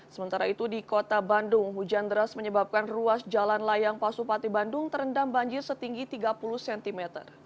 sementara itu di kota bandung hujan deras menyebabkan ruas jalan layang pasupati bandung terendam banjir setinggi tiga puluh cm